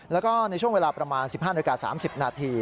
แล้วก็ในช่วงเวลาประมาณ๑๕นาฬิกา๓๐นาที